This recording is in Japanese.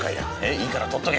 いいから取っとけ。